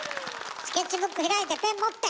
スケッチブック開いてペン持って！